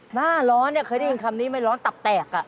หน้าร้อนเคยได้ยินคำนี้ไหมร้อนตับแตก